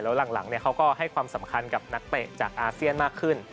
แล้วหลังเขาก็ให้ความสำคัญกับนักเตะจากอาเซียนมากขึ้น